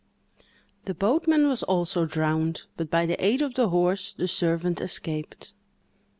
The boatman was also drowned; but, by the aid of the horse, the servant escaped.